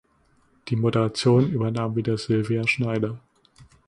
Die Moderation übernahm wieder Silvia Schneider.